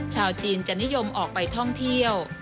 ชาวจีนจะนิยมออกไปท่องเที่ยว